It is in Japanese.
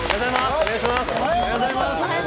お願いします。